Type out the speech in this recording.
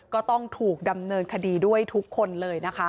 ก็ต้องถูกดำเนินคดีด้วยทุกคนเลยนะคะ